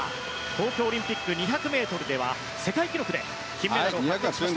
東京オリンピック２００ｍでは世界記録で金メダルを獲得しました。